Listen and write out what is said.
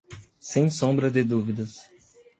Sem sombra de dúvidas!